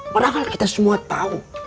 padahal kita semua tau